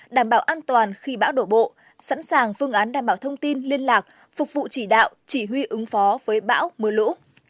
đảm bảo an toàn khi bão đổ bộ sẵn sàng phương án đảm bảo thông tin liên lạc phục vụ chỉ đạo chỉ huy ứng phó với bão mưa lũ